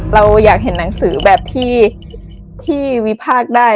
เราอยากเห็นหนังสือแบบที่วิพากษ์ได้